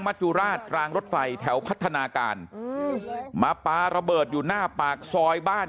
จุราชรางรถไฟแถวพัฒนาการอืมมาปลาระเบิดอยู่หน้าปากซอยบ้าน